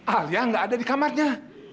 alia nggak ada di kamarnya